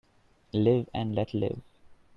Live and let live.